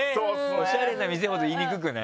おしゃれな店ほど言いにくくない？